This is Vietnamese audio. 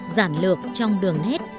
giản lược trong đường hét